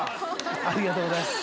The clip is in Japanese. ありがとうございます。